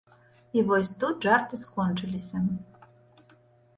І вось тут жарты скончыліся.